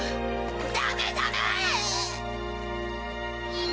ダメダメ！